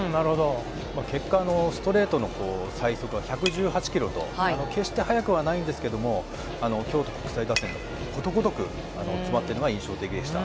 結果ストレートの最速は１１８キロと、決して速くはないんですが、京都国際打線がことごとく詰まっているのが印象的でした。